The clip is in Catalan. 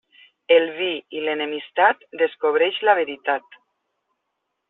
El vi i l'enemistat descobreix la veritat.